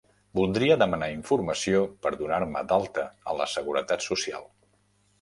Voldria demanar informació per donar-me d'alta a la seguretat social.